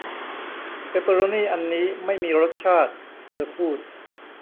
เปเปอโรนี่อันนี้ไม่มีรสชาติเธอพูด